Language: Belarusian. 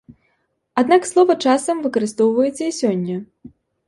Аднак слова часам выкарыстоўваецца і сёння.